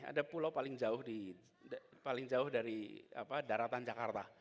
ada pulau paling jauh dari daratan jakarta